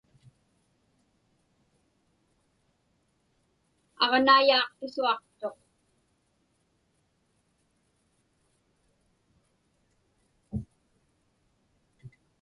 Aġnaiyaaq pisuaqtuq.